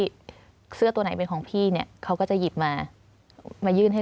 เสื้อตัวไหนเป็นของพี่เนี่ยเขาก็จะหยิบมามายื่นให้